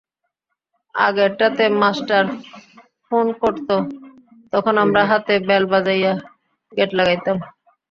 আগেরটাতে master phone করত তখন আমরা হাতে বেল বাজাইয়া গেট লাগাইতাম।